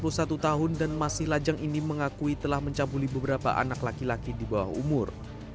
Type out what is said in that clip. satu tahun dan masih lajang ini mengakui telah mencabuli beberapa anak laki laki di bawah umur